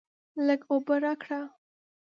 لږ اوبه راکړه!